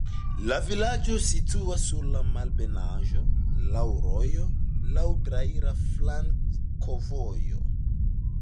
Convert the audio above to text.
La vilaĝo situas sur malebenaĵo, laŭ rojo, laŭ traira flankovojo.